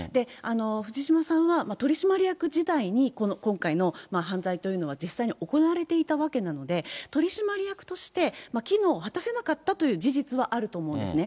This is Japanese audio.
藤島さんは取締役時代に今回の犯罪というのは実際に行われていたわけなので、取締役として機能を果たせなかったという事実はあると思うんですね。